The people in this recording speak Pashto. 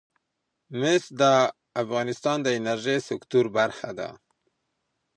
مس د افغانستان د انرژۍ سکتور برخه ده.